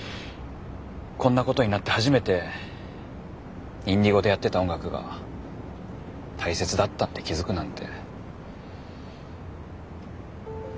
こんなことになって初めてＩｎｄｉｇｏでやってた音楽が大切だったって気付くなんて。